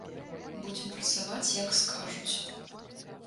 Будзем працаваць, як скажуць.